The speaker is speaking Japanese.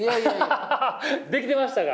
ハハハできてましたか？